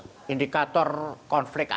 ini adalah indikator konflik antara